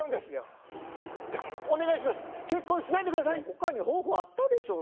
ほかに方法あったでしょう。